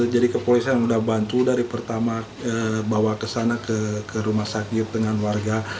jadi kepolisian udah bantu dari pertama bawa ke sana ke rumah sakit dengan warga